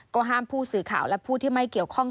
ก็ห้ามผู้สื่อข่าวและผู้ที่ไม่เกี่ยวข้อง